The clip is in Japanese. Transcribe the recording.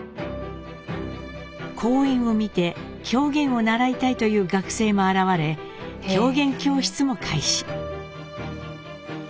公演を見て狂言を習いたいという学生も現れ狂言教室も開始。